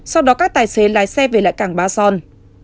sau đó các tài xế lái xe về lại cảng ba son